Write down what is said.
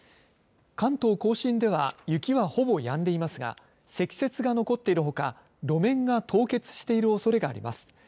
関東甲信では、雪はほぼやんでいますが積雪が残っているほか路面が凍結しているおそれがあります。